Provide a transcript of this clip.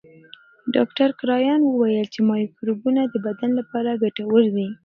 ډاکټر کرایان وویل چې مایکروبونه د بدن لپاره ګټور دي.